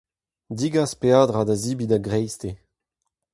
Degas peadra da zebriñ da greisteiz.